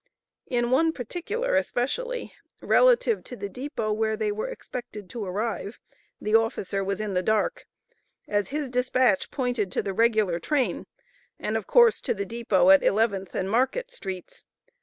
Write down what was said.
In one particular especially, relative to the depot where they were expected to arrive, the officer was in the dark, as his despatch pointed to the regular train, and of course to the depot at Eleventh and Market streets.